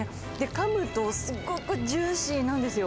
かむと、すごくジューシーなんですよ。